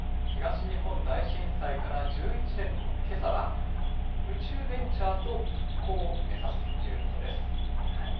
東日本大震災から１１年のけさは、宇宙ベンチャーと復興を目指すということです。